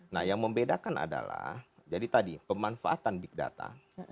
nah yang membedakan adalah jadi tadi pemanfaatan big data